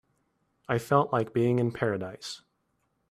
I felt like being in paradise.